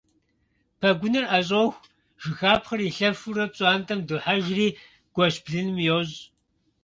Пэгуныр ӏэщӏоху, жыхапхъэр илъэфурэ пщӏантӏэм дохьэжри гуэщ блыным йощӏ.